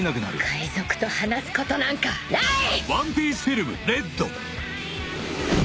海賊と話すことなんかない！